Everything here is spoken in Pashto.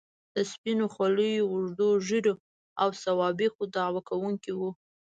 د سپینو خولیو، اوږدو ږیرو او سوابقو دعوه کوونکي وو.